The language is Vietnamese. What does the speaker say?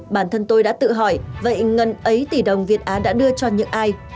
bản thân tôi đã tự hỏi vậy ngân ấy tỷ đồng việt á đã đưa cho những ai